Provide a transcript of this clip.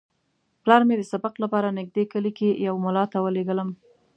پلار مې د سبق لپاره نږدې کلي کې یوه ملا ته ولېږلم.